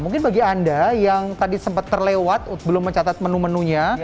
mungkin bagi anda yang tadi sempat terlewat belum mencatat menu menunya